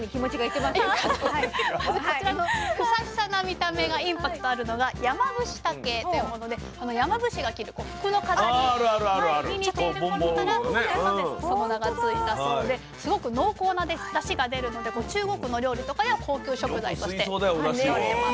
こちらのフサフサな見た目がインパクトあるのがやまぶしたけというもので山伏が着る服の飾りに似ていることからその名が付いたそうですごく濃厚なだしが出るので中国のお料理とかでは高級食材として扱われてます。